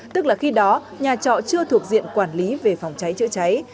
tức là khi đó nhà trọ chưa thuộc diện quản lý về phòng cháy chữa cháy